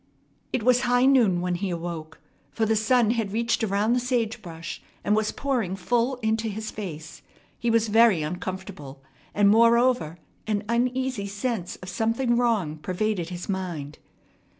It was high noon when he awoke, for the sun had reached around the sage brush, and was pouring full into his face. He was very uncomfortable, and moreover an uneasy sense of something wrong pervaded his mind.